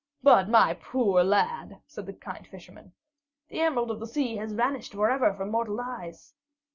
"But my poor lad," said the kind fisherman, "the Emerald of the Sea has vanished forever from mortal eyes."